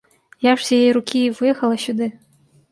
Я ж з яе рукі і выехала сюды.